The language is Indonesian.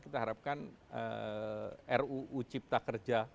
kita harapkan ruu cipta kerja